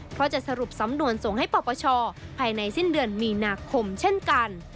เพราะจะสรุปสำนวนส่งให้ปปชภายในสิ้นเดือนมีนาคมเช่นกัน